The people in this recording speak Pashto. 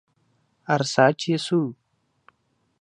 ارڅه چې څو